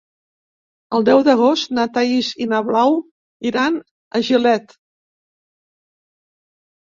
El deu d'agost na Thaís i na Blau iran a Gilet.